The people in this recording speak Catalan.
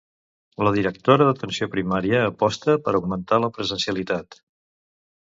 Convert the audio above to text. La directora d'Atenció Primària aposta per augmentar la presencialitat.